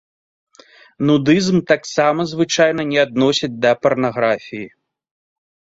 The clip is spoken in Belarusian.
Нудызм таксама звычайна не адносяць да парнаграфіі.